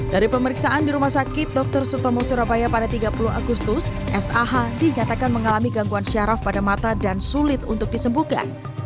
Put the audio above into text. dari pemeriksaan di rumah sakit dr sutomo surabaya pada tiga puluh agustus sah dinyatakan mengalami gangguan syaraf pada mata dan sulit untuk disembuhkan